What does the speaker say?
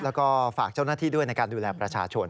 แล้วก็ฝากเจ้าหน้าที่ด้วยในการดูแลประชาชน